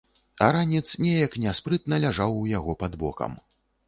А ранец неяк няспрытна ляжаў у яго пад бокам.